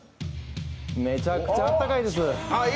めちゃくちゃあったかいです。